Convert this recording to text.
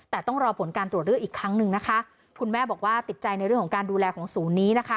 แต่ต้องรอผลการตรวจเลือกอีกครั้งหนึ่งนะคะคุณแม่บอกว่าติดใจในเรื่องของการดูแลของศูนย์นี้นะคะ